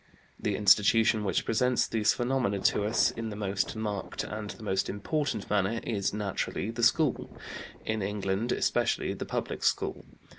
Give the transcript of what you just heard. The institution which presents these phenomena to us in the most marked and the most important manner is, naturally, the school, in England especially the Public School.